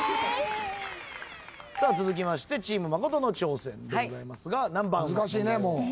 さあ続きましてチーム真琴の挑戦でございますが何番を？